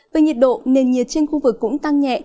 về nhiệt độ nền nhiệt trên khu vực cũng tăng nhẹ